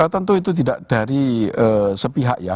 tentu itu tidak dari sepihak ya